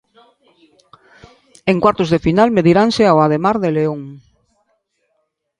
En cuartos de final mediranse ao Ademar de León.